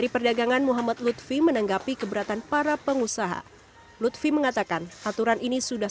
perdagangan muhammad lutfi menanggapi keberatan para pengusaha lutfi mengatakan aturan ini sudah